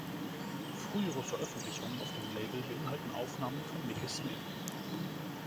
Frühere Veröffentlichungen auf dem Label beinhalten Aufnahmen von Mikey Smith.